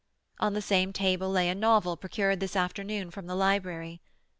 On the same table lay a novel procured this afternoon from the library.